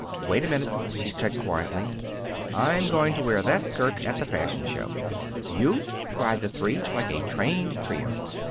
"Wait a minute," she said quietly. "I'm going to wear that skirt at the fashion show." "You!" cried the three, like a trained trio.